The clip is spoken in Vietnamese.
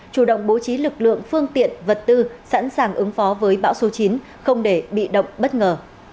chủ động bố trí lực lượng phương tiện vật tư sẵn sàng ứng phó với bão số chín không để bị động bất ngờ